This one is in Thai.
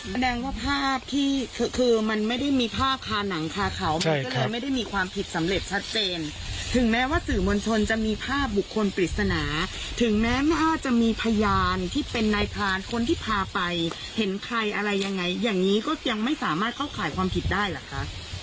แสดงว่าภาพที่คือคือมันไม่ได้มีภาพคาหนังคาเขามันก็เลยไม่ได้มีความผิดสำเร็จชัดเจนถึงแม้ว่าสื่อมวลชนจะมีภาพบุคคลปริศนาถึงแม้ไม่ว่าจะมีพยานที่เป็นนายพานคนที่พาไปเห็นใครอะไรยังไงอย่างนี้ก็ยังไม่สามารถเข้าข่ายความผิดได้เหรอคะ